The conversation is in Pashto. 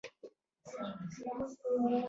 د بانټوستان په نامه وپېژندل شوې.